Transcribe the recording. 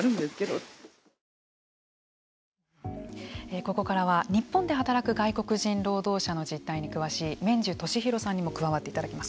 ここからは日本で働く外国人労働者の実態に詳しい毛受敏浩さんにも加わっていただきます。